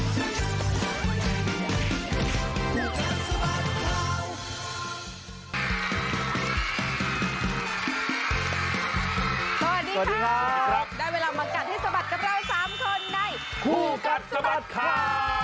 สวัสดีค่ะได้เวลามากัดให้สะบัดกับเรา๓คนในคู่กัดสะบัดข่าว